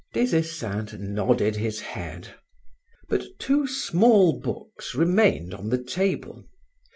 Des Esseintes nodded his head. But two small books remained on the table.